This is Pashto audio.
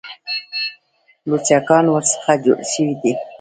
لوچکان ورڅخه جوړ شوي دي.